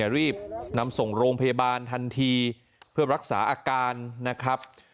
รีบนำส่งโรงพยาบาลทันทีเพื่อรักษาอาการนะครับ